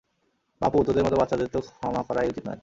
বাপু, তোদের মত বাচ্চাদের তো ক্ষমা করাই উচিত নয়।